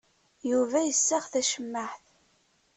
Yuba yessaɣ tacemmaɛt.